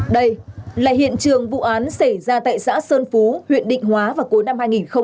đây là hiện trường vụ án xảy ra tại xã sơn phú huyện định hóa vào cuối năm hai nghìn một mươi bảy